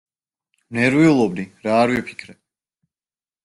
ვნერვიულობდი, რა არ ვიფიქრე.